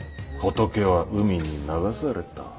ホトケは海に流された。